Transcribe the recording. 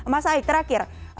mas aik terakhir